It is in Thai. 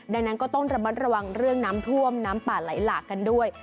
ดังนั้นก็ต้องระมัดระวังเรื่องน้ำท่วมน้ำป่าไหลหลากกันด้วย